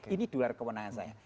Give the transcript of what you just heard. ini dua kewenangan saya